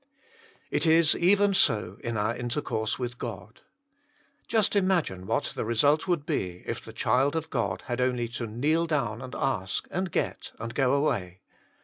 It is even so in our intercourse with God. Just imagine what the result would be if the child of God had only to kneel down and ask, and get, and go away.